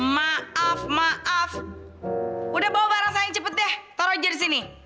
maaf maaf udah bawa barang saya yang cepet deh taruh aja di sini